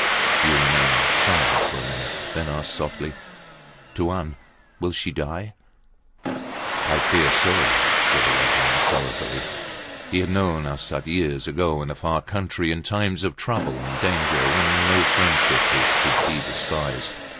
He remained silent for a minute, then asked softly Tuan, will she die? I fear so, said the white man, sorrowfully. He had known Arsat years ago, in a far country in times of trouble and danger, when no friendship is to be despised.